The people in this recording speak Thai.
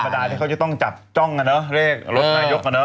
ดาที่เขาจะต้องจับจ้องอ่ะเนอะเลขรถนายกอ่ะเน